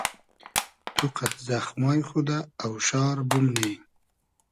تو قئد زئخمای خو دۂ اۆشار بومنی